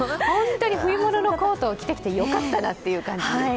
ホントに冬物のコートを着てきてよかったなという感じ。